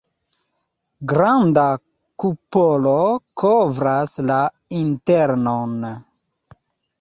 Granda kupolo kovras la internon.